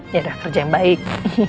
yaudah kerja yang baik